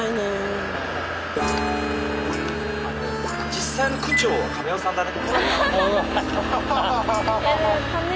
実際の区長はカメ代さんだね。